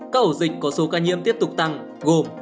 các ổ dịch có số ca nhiễm tiếp tục tăng gồm